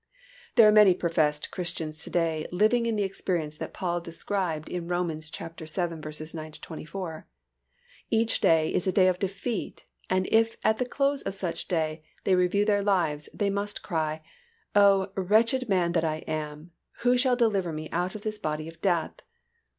_ There are many professed Christians to day living in the experience that Paul described in Rom. vii. 9 24. Each day is a day of defeat and if at the close of the day, they review their lives they must cry, "Oh, wretched man that I am, who shall deliver me out of the body of this death?"